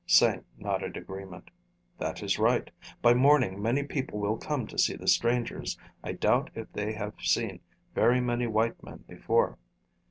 Sing nodded agreement. "That is right. By morning many people will come to see the strangers. I doubt if they have seen very many white men before."